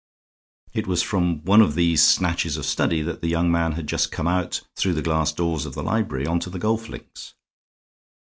It was from one of these snatches of study that the young man had just come out through the glass doors of the library on to the golf links.